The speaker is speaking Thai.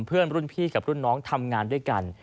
เพื่อนรุ่นพี่กับรุ่นน้องทำงานด้วยกัน